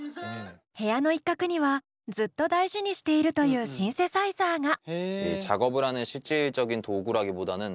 部屋の一角にはずっと大事にしているというシンセサイザーが。